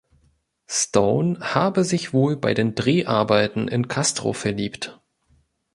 Stone habe sich wohl bei den Dreharbeiten „in Castro verliebt“.